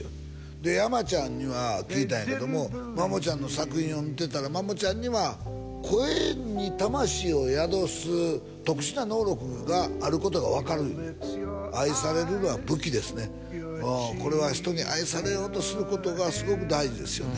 で山ちゃんには聞いたんやけどもマモちゃんの作品を見てたらマモちゃんには声に魂を宿す特殊な能力があることが分かる言うねんこれは人に愛されようとすることがすごく大事ですよね